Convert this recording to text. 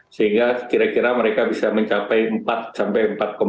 sehingga kira kira mereka bisa mencapai empat sampai empat